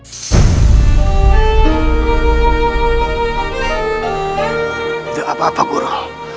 tidak apa apa guru